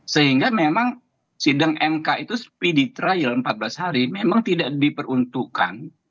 sehingga memang sidang mk itu speed trial empat belas hari memang tidak diperuntukkan